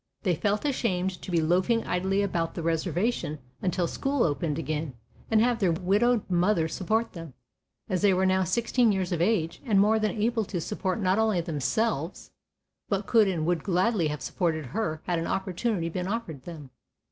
They felt ashamed to be loafing idly about the reservation until school opened again and have their widowed mother support them, as they were now sixteen years of age, and more than able to support not only themselves, but could and would gladly have supported her had an opportunity been offered them.